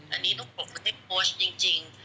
อันนี้ทุกคนให้โค้ชจริง